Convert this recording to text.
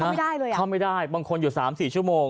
เข้าไม่ได้เลยอ่ะเข้าไม่ได้บางคนอยู่สามสี่ชั่วโมง